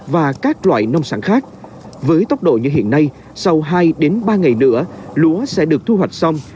và các loại nông sản khác với tốc độ như hiện nay sau hai ba ngày nữa sẽ được thu hoạch xong